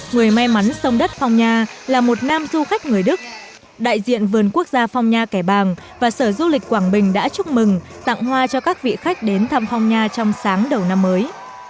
người may mắn sông đất phong nha là một nam du khách người đức đại diện vườn quốc gia phong nha kẻ bàng và sở du lịch quảng bình đã chúc mừng tặng hoa cho các vị khách đến thăm phong nha trong sáng đầu năm mới